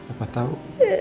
ya apa tau